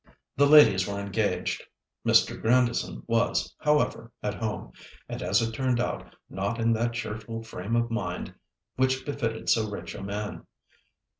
The ladies were engaged. Mr. Grandison was, however, at home, and, as it turned out, not in that cheerful frame of mind which befitted so rich a man.